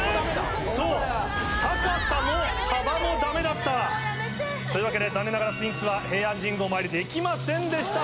そう高さも幅もダメだった。というわけで残念ながらスフィンクスは平安神宮お参りできませんでした。